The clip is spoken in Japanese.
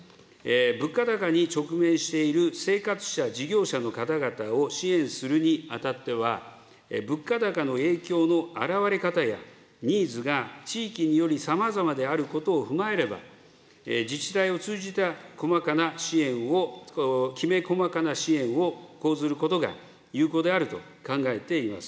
物価高に直面している生活者、事業者の方々を支援するにあたっては、物価高の影響のあらわれ方やニーズが地域によりさまざまであることを踏まえれば、自治体を通じた細かな支援を、きめ細かな支援を講ずることが有効であると考えています。